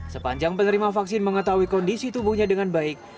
sepanjang penerima vaksin mengetahui kondisi tubuhnya dengan baik